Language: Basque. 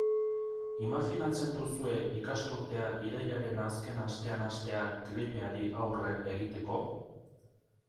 Imajinatzen duzue ikasturtea irailaren azken astean hastea gripeari aurre egiteko?